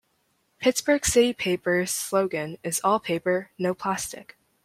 "Pittsburgh City Paper"s slogan is "All Paper, No Plastic.